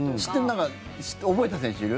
なんか覚えた選手いる？